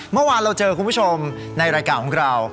เมื่อวานเราเจอคุณผู้ชมในรายการของเรา